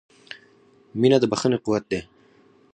• مینه د بښنې قوت دی.